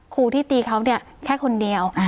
ครูที่ตีเขาเนี่ยแค่คนเดียว